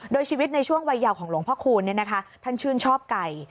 โดยชีวิตในช่วงวัยยาวของหลวงพ่อคูณท่านชื่นชอบไก่